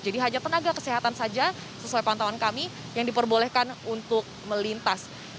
jadi hanya tenaga kesehatan saja sesuai pantauan kami yang diperbolehkan untuk melintas